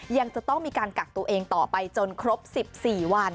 ยังจะต้องมีการกักตัวเองต่อไปจนครบ๑๔วัน